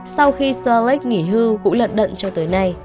sau khi sir lake nghỉ hư cũng lận đận cho tới nay